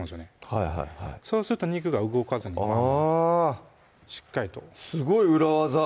はいはいはいそうすると肉が動かずにあぁすごい裏技！